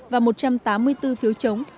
và một trăm tám mươi bốn phiếu chống